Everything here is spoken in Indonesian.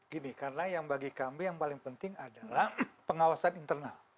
gini karena yang bagi kami yang paling penting adalah pengawasan internal